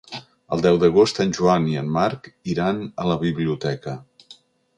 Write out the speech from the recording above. El deu d'agost en Joan i en Marc iran a la biblioteca.